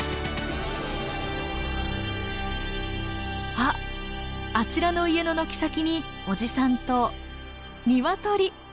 あっあちらの家の軒先におじさんとニワトリ！